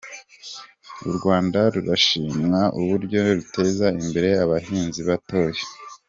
U Rwanda rurashimwa uburyo ruteza imbere abahinzi batoya